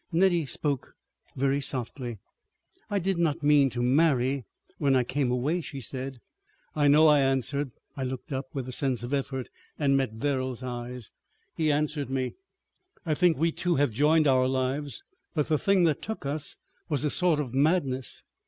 Nettie spoke very softly. "I did not mean to marry when I came away," she said. "I know," I answered. I looked up with a sense of effort and met Verrall's eyes. He answered me. "I think we two have joined our lives. ... But the thing that took us was a sort of madness."